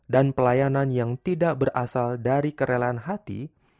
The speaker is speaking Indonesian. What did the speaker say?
dan pelayanan yang tidak berasal dari kerelaan hati